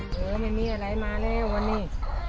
โว้ยไม่มีอะไรมาเลยวันนี้